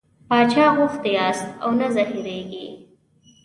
باچا غوښتي یاست او نه زهرېږئ.